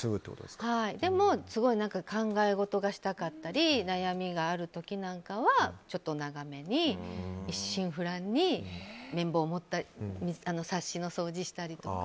でも、考え事がしたかったり悩みがある時なんかはちょっと長めに一心不乱に綿棒を持ってサッシの掃除したりとか。